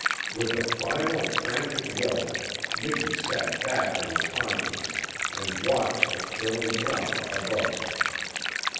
With a final frantic yelp Miki sat back on his haunches and watched the thrilling drama above him.